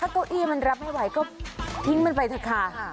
เก้าอี้มันรับไม่ไหวก็ทิ้งมันไปเถอะค่ะ